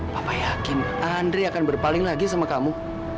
papa yakin andri akan berpaling lagi sama kamu